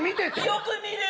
よく見る。